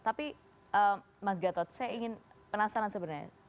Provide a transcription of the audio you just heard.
tapi mas gatot saya ingin penasaran sebenarnya